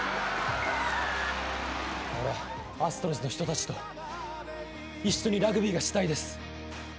俺、アストロズの人たちと一緒にラグビーがしたいです！